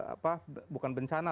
apa bukan bencana